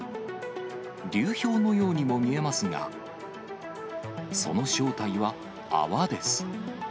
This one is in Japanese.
流氷のようにも見えますが、その正体は泡です。